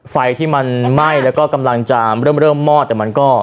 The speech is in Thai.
ไฟที่มันไหม้แล้วก็กำลังจะเริ่มเริ่มมอดแต่มันก็